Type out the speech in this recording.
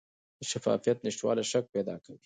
د شفافیت نشتوالی شک پیدا کوي